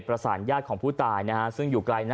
ประสานญาติของผู้ตายนะครับ